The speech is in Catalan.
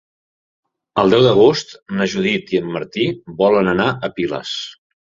El deu d'agost na Judit i en Martí volen anar a Piles.